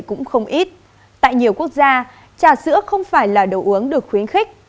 cũng không ít tại nhiều quốc gia trà sữa không phải là đồ uống được khuyến khích